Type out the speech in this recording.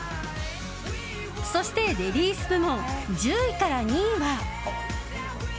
そしてレディース部門１０位から２位は。